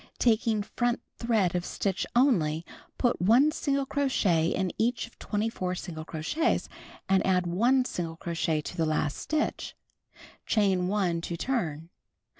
Taking front thread of stitch only, pyt 1 single crochet in each of 24 single crochets, and add 1 single crochet in the last stitch. Chain 1 to turn.